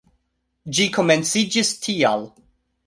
Ĝi komenciĝis tial.